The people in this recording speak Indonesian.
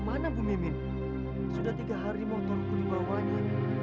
mana bu mimin sudah tiga hari motorku dibawanya